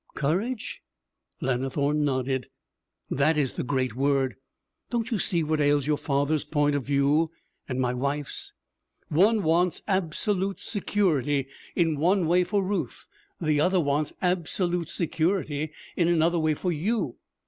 'Courage?' Lannithorne nodded. 'That is the great word. Don't you see what ails your father's point of view, and my wife's? One wants absolute security in one way for Ruth; the other wants absolute security in another way for you.